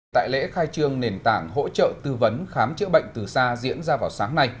tại lễ khai trương nền tảng hỗ trợ tư vấn khám chữa bệnh từ xa diễn ra vào sáng nay